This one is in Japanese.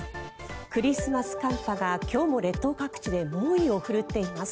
クリスマス寒波が今日も列島各地で猛威を振るっています。